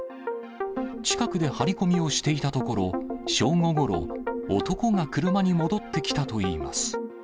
近くで張り込みをしていたところ、正午ごろ、男が車に戻ってきたといいます。